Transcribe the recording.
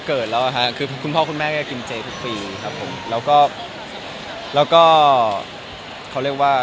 กินเจนะินกันแหละครับ